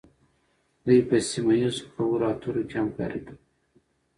دوی په سیمه ایزو خبرو اترو کې همکاري کوي